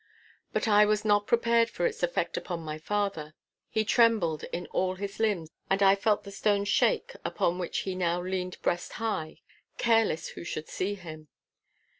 But I was not prepared for its effect upon my father. He trembled in all his limbs, and I felt the stones shake upon which he now leaned breast high, careless who should see him.